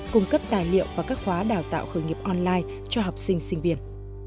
cung cấp tài liệu và các khóa đào tạo khởi nghiệp online cho học sinh sinh viên